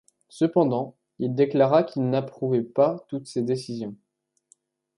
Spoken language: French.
Cependant, il déclara qu'ils n'apptouvait pas toutes ses décisions.